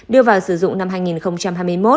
đưa vào sử dụng năm hai nghìn hai mươi một